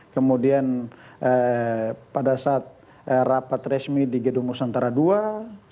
kemudian pada saat rapat resmi di gedung nusantara ii